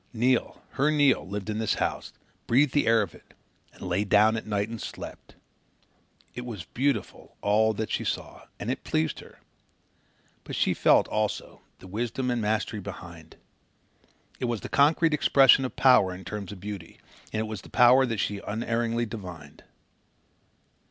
Neil, her Neil, lived in this house, breathed the air of it, and lay down at night and slept! It was beautiful, all this that she saw, and it pleased her; but she felt, also, the wisdom and mastery behind. It was the concrete expression of power in terms of beauty, and it was the power that she unerringly divined.